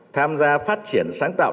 tham gia phát triển sáng tạo